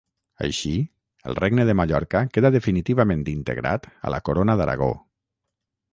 Així, el regne de Mallorca queda definitivament integrat a la Corona d'Aragó.